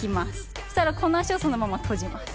そしたらこの足をそのまま閉じます。